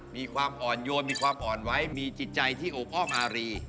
มีความอ่อนโยนมีความอ่อนไว้มีจิตใจที่โอพ่อมารี